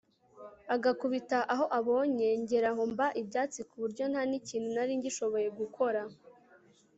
agakubita aho abonye ngeraho mba ibyatsi kuburyo ntanikintu naringishoye gukora